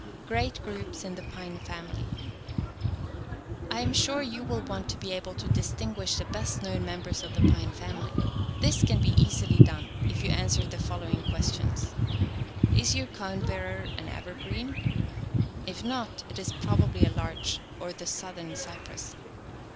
Great Groups in the Pine Family. I am sure you will want to be able to distinguish the best known members of the pine family. This can be easily done, if you answer the following questions. Is your cone bearer an evergreen ? If not, it is probably a larch or the southern cypress.